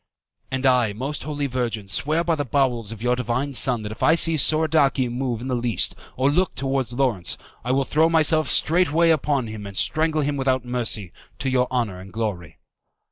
"And I, Most Holy Virgin, swear by the bowels of your Divine Son that if I see Soradici move in the least or look towards Lawrence, I will throw myself straightway upon him and strangle him without mercy, to your honour and glory."